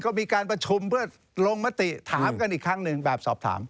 ก็มีการประชุมเพื่อลงมติถามกันอีกครั้งหนึ่งแบบสอบถาม